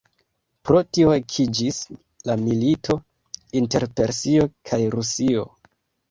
Pro tio ekiĝis la milito inter Persio kaj Rusio.